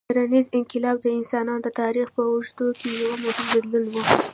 کرنيز انقلاب د انسانانو د تاریخ په اوږدو کې یو مهم بدلون و.